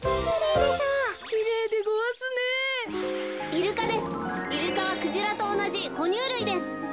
イルカはクジラとおなじほにゅうるいです。